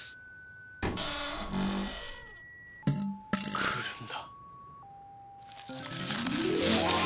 来るんだ。